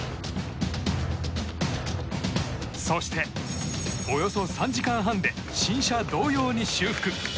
そして、およそ３時間半で新車同様に修復。